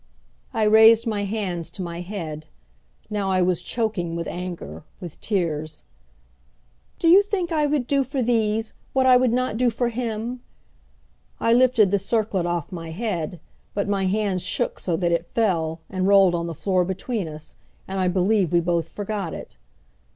I raised my hands to my head. Now I was choking with anger, with tears. "Do you think I would do for these, what I would not do for him?" I lifted the circlet off my head, but my hands shook so that it fell, and rolled on the floor between us, and I believe we both forgot it.